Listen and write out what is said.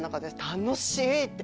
「楽しい！」って